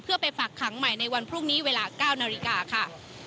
เพื่อไปฝากขังใหม่ในวันพรุ่งนี้เวลา๙นาฬิกาค่ะ